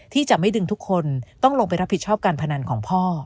ที่จะไม่ดึงทุกคนต้องลงไปรับผิดชอบการพนันของพ่อ